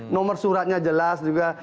nomor surat nya jelas juga